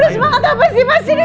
semoga apa sih mas ini